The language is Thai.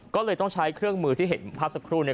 ก็เลยต้องใช้เครื่องมือที่เห็นภาพสักครู่เนี่ย